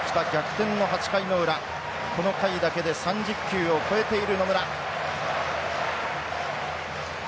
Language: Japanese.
この回だけで３０球を超えている野村。